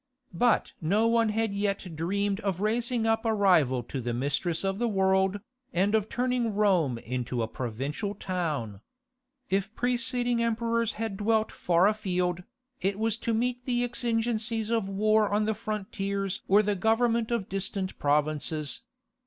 But no one had yet dreamed of raising up a rival to the mistress of the world, and of turning Rome into a provincial town. If preceding emperors had dwelt far afield, it was to meet the exigencies of war on the frontiers or the government of distant provinces.